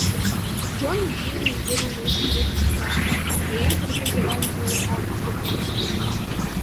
Џьон ибзианы идыруан урҭ рыбызшәа, аха еибырҳәоз аранӡа иуаҳартә иҟамызт.